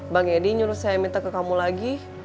bang edi nyuruh saya minta ke kamu lagi